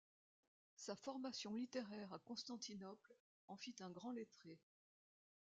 Sa formation littéraire à Constantinople en fit un grand lettré.